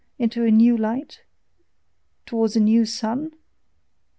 into a new light? towards a new sun?